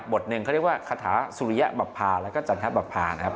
บทหนึ่งเขาเรียกว่าคาถาสุริยะบับพาและก็จันทรัพย์บับพานะครับ